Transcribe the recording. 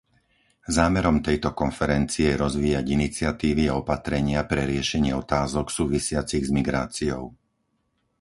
Zámerom tejto konferencie je rozvíjať iniciatívy a opatrenia pre riešenie otázok súvisiacich s migráciou.